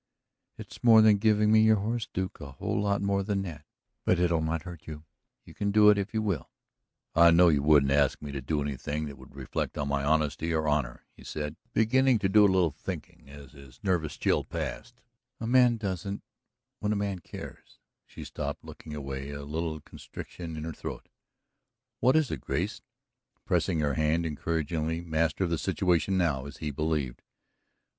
"It's more than giving me your horse, Duke; a whole lot more than that, but it'll not hurt you you can do it, if you will." "I know you wouldn't ask me to do anything that would reflect on my honesty or honor," he said, beginning to do a little thinking as his nervous chill passed. "A man doesn't when a man cares " She stopped, looking away, a little constriction in her throat. "What is it, Grace?" pressing her hand encouragingly, master of the situation now, as he believed.